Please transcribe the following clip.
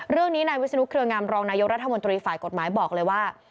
เรื่องนี้นายวิศนุเครืองามรองนายกรัฐมนตรีฝ่ายกฎหมายบอกเลยว่า